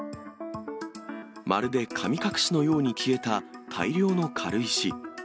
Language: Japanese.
まるで神隠しのように消えた大量の軽石。